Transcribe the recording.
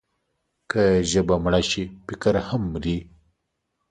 که ژبه مړه شي، فکر هم مري.